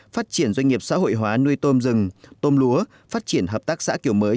phát triển doanh nghiệp xã hội hóa nuôi tôm rừng tôm lúa phát triển hợp tác xã kiểu mới